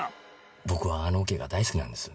僕はあのオケが大好きなんです。